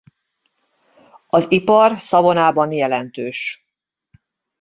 Az ipar Savonaban jelentős.